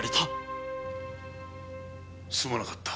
すまなかった。